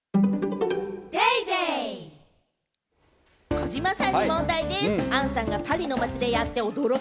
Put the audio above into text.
児嶋さんに問題でぃす。